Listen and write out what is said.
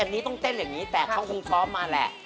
อันนี้ต้องเต้นอย่างนี้แต่เขาคงซ้อมมาแหละ